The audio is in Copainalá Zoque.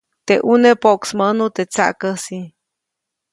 Teʼ ʼuneʼ poʼksmäʼnu teʼ tsaʼkäsi.